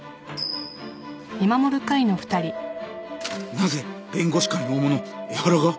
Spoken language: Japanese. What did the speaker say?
・「なぜ弁護士会の大物江原が？」